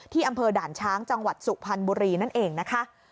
อำเภอด่านช้างจังหวัดสุพรรณบุรีนั่นเองนะคะ